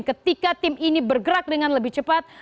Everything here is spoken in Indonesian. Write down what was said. ketika tim ini bergerak dengan lebih cepat